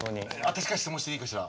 私から質問していいかしら？